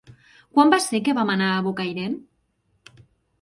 Quan va ser que vam anar a Bocairent?